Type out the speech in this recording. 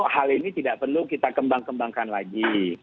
hal ini tidak perlu kita kembang kembangkan lagi